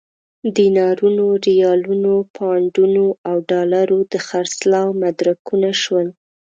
دینارونو، ریالونو، پونډونو او ډالرو د خرڅلاو مدرکونه شول.